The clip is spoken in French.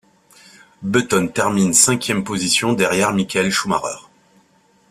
Button termine cinquième position derrière Michael Schumacher.